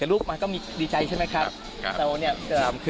รูปมันก็มีดีใจใช่มั๊ยคะ